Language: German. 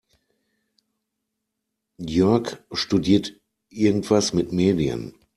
Jörg studiert irgendwas mit Medien.